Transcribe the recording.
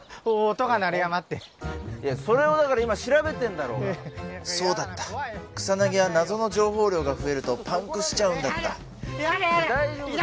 音が鳴る山ってそれをだから今調べてんだろうがそうだったクサナギは謎の情報量が増えるとパンクしちゃうんだったやだやだいやだ！